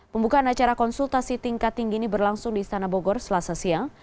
pembukaan acara konsultasi tingkat tinggi ini berlangsung di istana bogor selasa siang